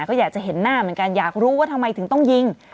ก็อยากจะเห็นหน้าเหมือนกันอยากรู้ว่าทำไมถึงต้องยิง